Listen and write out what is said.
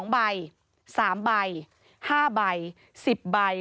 ๒ใบ๓ใบ๕ใบ๑๐ใบ